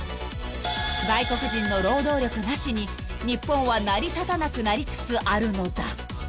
［外国人の労働力なしに日本は成り立たなくなりつつあるのだ］